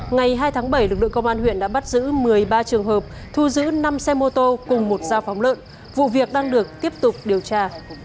ngày hai tháng bảy lực lượng công an huyện đã bắt giữ một mươi ba trường hợp thu giữ năm xe mô tô cùng một dao phóng lợn vụ việc đang được tiếp tục điều tra